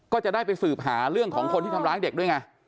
ก็จะได้ไปสืบหาเรื่องของคนที่ทำร้ายเด็กด้วยไง